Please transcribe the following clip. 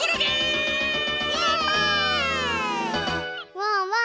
ワンワン